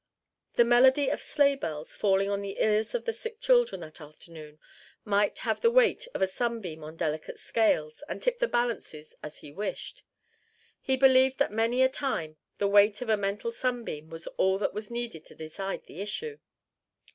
The melody of sleighbells falling on the ears of the sick children that afternoon might have the weight of a sunbeam on delicate scales and tip the balances as he wished: he believed that many a time the weight of a mental sunbeam was all that was needed to decide the issue.